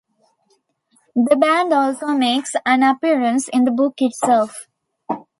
The band also makes an appearance in the book itself.